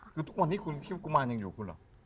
คือทุกวันนี้คุณคิดว่ากุมารยังอยู่คุณเหรอ